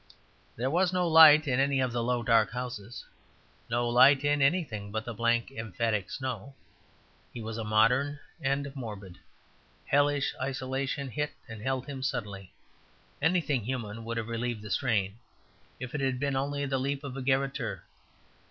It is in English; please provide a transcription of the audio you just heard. There was no light in any of the low, dark houses; no light in anything but the blank emphatic snow. He was modern and morbid; hellish isolation hit and held him suddenly; anything human would have relieved the strain, if it had been only the leap of a garotter.